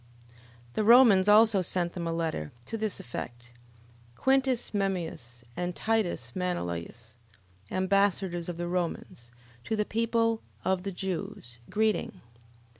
11:34. The Romans also sent them a letter, to this effect: Quintus Memmius, and Titus Manilius, ambassadors of the Romans, to the people of the Jews, greeting.